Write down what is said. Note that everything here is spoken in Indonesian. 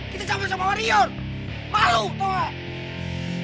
kita campur sama wario